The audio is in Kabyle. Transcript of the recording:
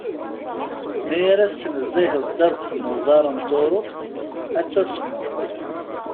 Mi ara tettnezziheḍ ddabex n uḍar n Turuft ad tasmeḍ.